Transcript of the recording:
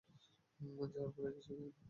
যাওয়ার পথে কিছু খেয়ে নিও।